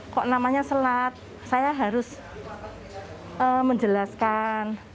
kok namanya selat saya harus menjelaskan